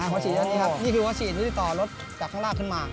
หัวฉีดคือต่อรถจากข้างล่างขึ้นมา